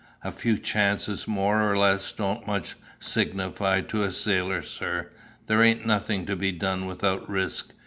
"A few chances more or less don't much signify to a sailor, sir. There ain't nothing to be done without risk.